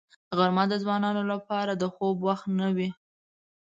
غرمه د ځوانانو لپاره د خوب وخت نه وي